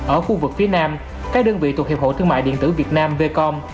ở khu vực phía nam các đơn vị thuộc hiệp hội thương mại điện tử việt nam v com